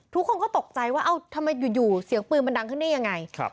ทุกคนก็ตกใจว่าเอ้าทำไมอยู่เสียงปืนมันดังขึ้นได้ยังไง